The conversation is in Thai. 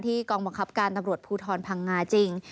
กองบังคับการตำรวจภูทรพังงาจริง